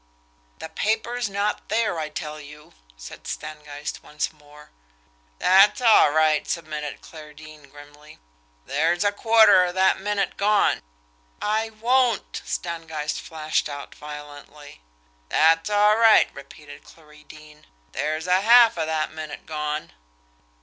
"The paper's not there, I tell you," said Stangeist once more. "That's all right," submitted Clarle Deane grimly. "There's a quarter of that minute gone." "I won't!" Stangeist flashed out violently. "That's all right," repeated Clarie Deane. "There's half of that minute gone."